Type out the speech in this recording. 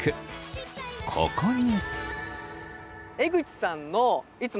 ここに。